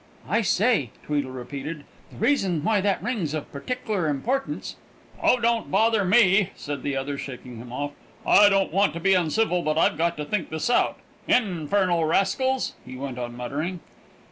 "I say," Tweddle repeated, "the reason why that ring's of partickler importance " "Oh, don't bother me!" said the other, shaking him off. "I don't want to be uncivil, but I've got to think this out.... Infernal rascals!" he went on muttering.